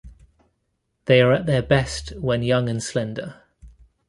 They are at their best when young and slender.